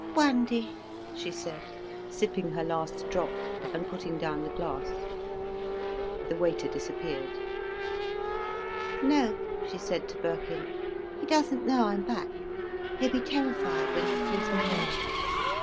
"Brandy," she said, sipping her last drop and putting down the glass. The waiter disappeared. "No," she said to Birkin. "He doesn't know I'm back. He'll be terrified when he sees me here."